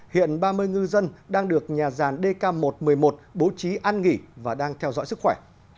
hiện ba mươi ngư dân đang được nhà gian dk một trăm một mươi một bố trí an nghỉ và đang theo dõi sức khỏe